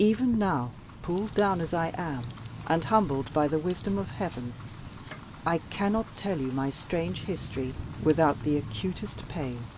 Even now, pulled down as I am, and humbled by the wisdom of Heaven, I cannot tell you my strange history without the acutest pain."